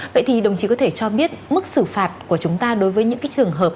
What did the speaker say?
vậy thì đồng chí có thể cho biết mức xử phạt của chúng ta đối với những trường hợp